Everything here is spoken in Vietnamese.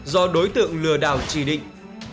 do đối tượng lừa đảo trì định